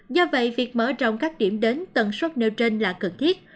do vậy việc mở rộng các điểm đến tần suất nêu trên là cần thiết